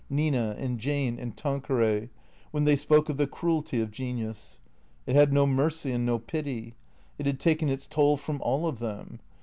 Nina and Jane and Tanqueray, when they spoke of the cruelty of genius. It had no mercy and no pity. It had taken its toll from all of them.